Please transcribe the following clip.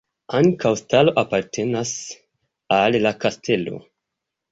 Ankaŭ stalo apartenas al la kastelo.